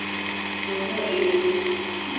Bomoa iyo nyumba.